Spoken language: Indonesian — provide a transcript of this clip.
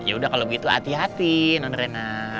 yaudah kalau begitu hati hati nondrena